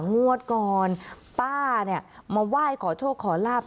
งวดก่อนป้าเนี่ยมาไหว้ขอโชคขอลาบ